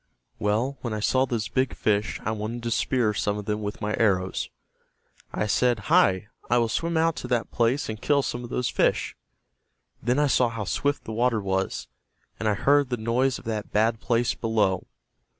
Well, when I saw those big fish I wanted to spear some of them with my arrows. I said, 'Hi, I will swim out to that place and kill some of those fish.' Then I saw how swift the water was, and I heard the noise of that bad place below.